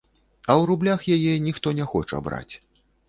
А ў рублях яе ніхто не хоча браць.